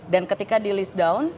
dan ketika di list down